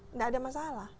tidak ada masalah